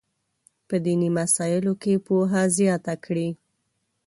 په دیني مسایلو کې پوهه زیاته کړي.